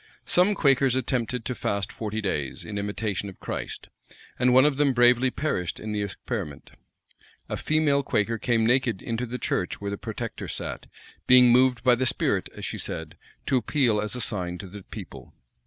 Some Quakers attempted to fast forty days, in imitation of Christ; and one of them bravely perished in the experiment.[*] A female Quaker came naked into the church where the protector sat; being moved by the spirit, as she said, to appeal as a sign to the people.